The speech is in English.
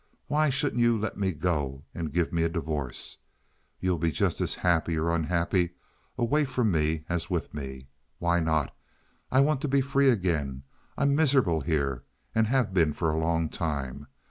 Why shouldn't you let me go and give me a divorce? You'll be just as happy or unhappy away from me as with me. Why not? I want to be free again. I'm miserable here, and have been for a long time.